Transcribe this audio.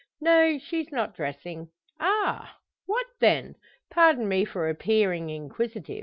"No; she's not dressing." "Ah! What then? Pardon me for appearing inquisitive.